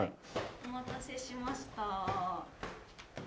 お待たせしました。